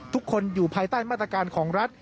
ทุกคนอยู่ภายใต้มาตรการของรัฐ